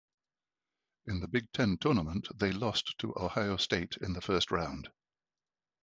In the Big Ten Tournament they lost to Ohio State in the first round.